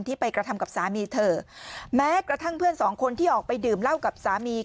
ไปกระทำกับสามีเธอแม้กระทั่งเพื่อนสองคนที่ออกไปดื่มเหล้ากับสามี